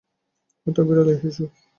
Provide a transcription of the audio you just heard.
এটা বিড়ালের হিসু।